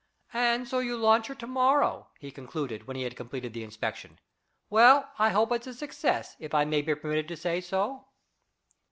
"And so you launch her to morrow," he concluded, when he had completed the inspection "Well, I hope it's a success, if I may be permitted to say so."